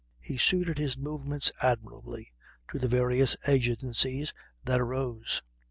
He suited his movements admirably to the various exigencies that arose.